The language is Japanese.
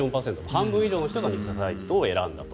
半分以上の人が偽サイトを選んだと。